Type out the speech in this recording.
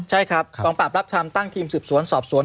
ใช่ครับกองปราบรับทำตั้งทีมสืบสวนสอบสวน